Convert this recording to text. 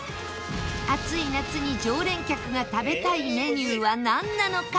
暑い夏に常連客が食べたいメニューはなんなのか？